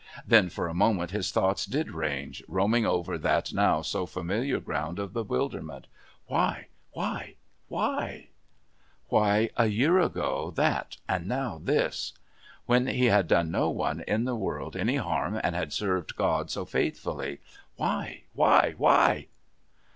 Then for a moment his thoughts did range, roaming over that now so familiar ground of bewilderment. Why? Why? Why? Why a year ago that, and now this? When he had done no one in the world any harm and had served God so faithfully? Why? Why? Why?